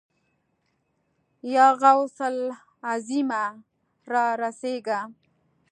يا غوث الاعظمه! را رسېږه.